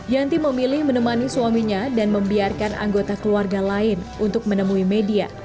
yanti memilih menemani suaminya dan membiarkan anggota keluarga lain untuk menemui media